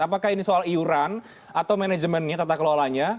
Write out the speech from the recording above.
apakah ini soal iuran atau manajemennya tata kelolanya